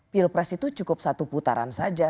pilpres itu cukup satu putaran saja